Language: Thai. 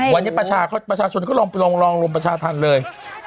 วันนี้ประชาชนก็ลองรุมประชาธรรมเลย